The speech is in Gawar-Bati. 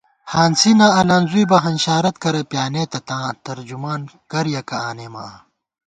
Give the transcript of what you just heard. ہانسی نہ النزُوئی بہ، ہنشارت کرہ پیانېتہ، تاں ترجماں کریَکہ آنېمہ آں